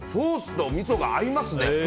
ソースとみそが合いますね！